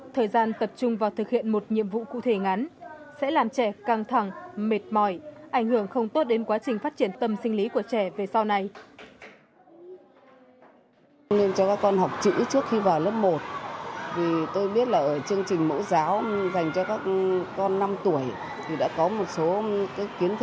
thời gian tập trung vào thực hiện một nhiệm vụ cụ thể ngắn sẽ làm trẻ càng thân thiện